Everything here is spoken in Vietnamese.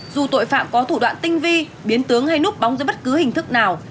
dù tội phạm có thủ đoạn tinh vi biến tướng hay núp bóng dưới bất cứ hình thức nào